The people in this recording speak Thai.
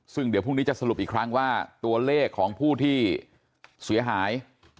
ซึ่งเดี๋ยวพรุ่งนี้จะสรุปอีกครั้งว่าตัวเลขของผู้ที่เสียหาย